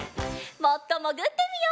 もっともぐってみよう。